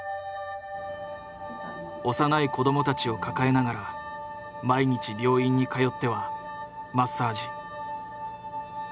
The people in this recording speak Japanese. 幼い子どもたちを抱えながら毎日病院に通ってはマッサージ。